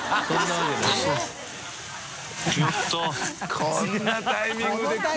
こんなタイミングで来る？